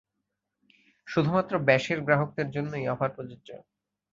শুধুমাত্র ব্যাশের গ্রাহকদের জন্য এই অফার প্রযোজ্য।